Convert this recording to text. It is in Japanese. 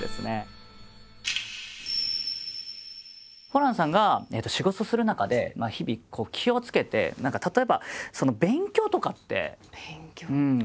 ホランさんが仕事する中で日々気をつけて何か例えば勉強とかってされてたりするんですか？